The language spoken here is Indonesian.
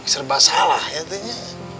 serba salah ya tehnya